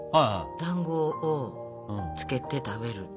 だんごをつけて食べる。